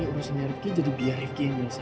ini urusannya rifki jadi biar rifki yang mengelas ayam